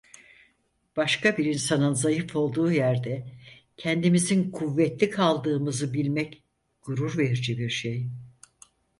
Başka bir insanın zayıf olduğu yerde kendimizin kuvvetli kaldığımızı bilmek gurur verici bir şey…